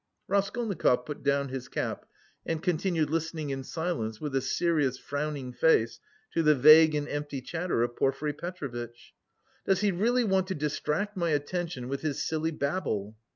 Raskolnikov put down his cap and continued listening in silence with a serious frowning face to the vague and empty chatter of Porfiry Petrovitch. "Does he really want to distract my attention with his silly babble?"